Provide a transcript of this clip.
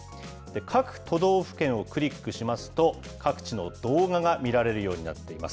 各都道府県をクリックしますと、各地の動画が見られるようになっています。